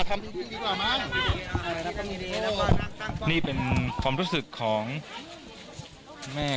และมีความหวาดกลัวออกมา